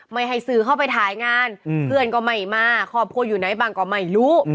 ไม่ให้สื่อเข้าไปถ่ายงานเพื่อนก็ไม่มาครอบครัวอยู่ไหนบ้างก็ไม่รู้